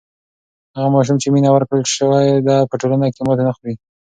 هغه ماشوم چې مینه ورکړل سوې ده په ټولنه کې ماتی نه خوری.